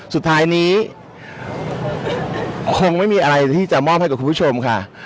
สุดท้ายนี้คงไม่มีอะไรที่จะมอบให้กับคุณผู้ชมค่ะ